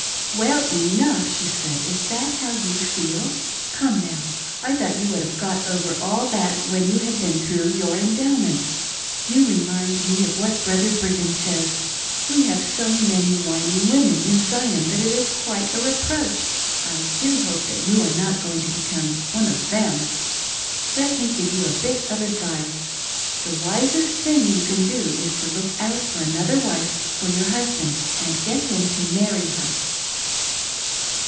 " 'Well enough !'" she said, "Is that how you feel .' Come HOW A CERTAIN LADV MANAGED H£R HUSBAND. 371 now, I thought you would have got over all that when you had been through your Endowments. You remind me of what Brother Brigham says, — We have so many whining women in Zion that it is quite a reproach. I do hope that you are not going to become one of them. Let me give you a bit of advice : The wisest thing you can do is to look out for another wife for your husband, and get him to marry her."